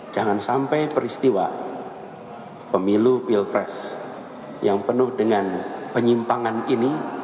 jangan sampai peristiwa pemilu pilpres yang penuh dengan penyimpangan ini